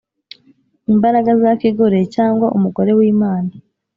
imbaraga za kigore cyangwa umugore w’imana